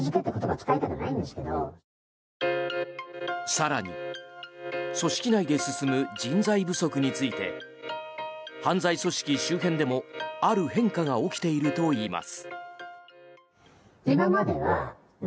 更に組織内で進む人材不足について犯罪組織周辺でも、ある変化が起きているといいます。